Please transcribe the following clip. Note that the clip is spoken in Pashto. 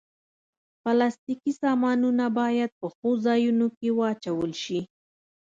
پلاستيکي سامانونه باید په ښو ځایونو کې واچول شي.